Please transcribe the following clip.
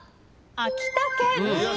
秋田県。